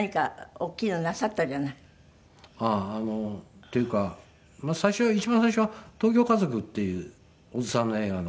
っていうか一番最初は『東京家族』っていう小津さんの映画の。